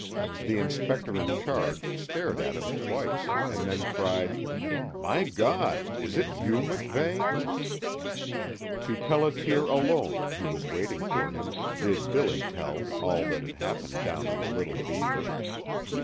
The inspector in charge stared at him twice, and then cried, "My God, is it you, MacVeigh?" To Pelliter alone, who was waiting for him, did Billy tell all that had happened down on the Little Beaver.